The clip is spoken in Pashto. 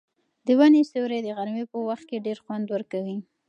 د ونې سیوری د غرمې په وخت کې ډېر خوند ورکوي.